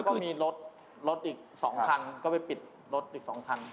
ก็มีรถรถอีก๒คันก็ไปปิดรถอีก๒คัน